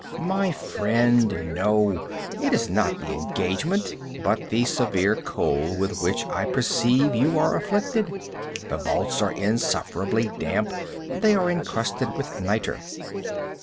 "My friend, no. It is not the engagement, but the severe cold with which I perceive you are afflicted. The vaults are insufferably damp. They are encrusted with nitre."